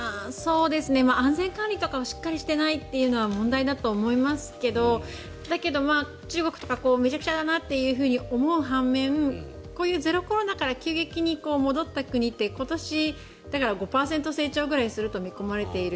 安全管理とかをしっかりしていないのは問題だと思いますがだけど、中国とかめちゃくちゃだなと思う反面こういうゼロコロナから急激に戻った国って今年、５％成長ぐらいすると見込まれている。